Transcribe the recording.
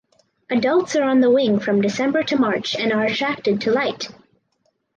Adults are on the wing from December to March and are attracted to light.